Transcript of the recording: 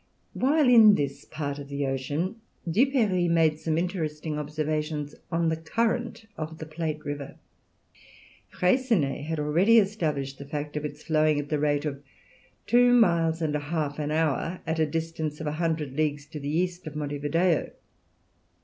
While in this part of the ocean Duperrey made some interesting observations on the current of the Plate River. Freycinet had already established the fact of its flowing at the rate of two miles and a half an hour, at a distance of a hundred leagues to the east of Monte Video.